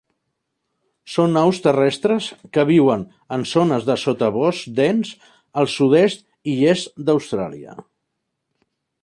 Són aus terrestres que viuen en zones de sotabosc dens al sud-oest i est d'Austràlia.